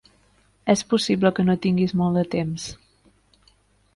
És possible que no tinguis molt de temps.